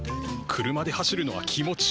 車で走るのは気持ちいい。